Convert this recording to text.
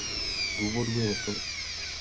Důvodů je několik.